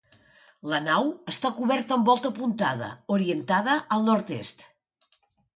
La nau està coberta amb volta apuntada, orientada al nord-est.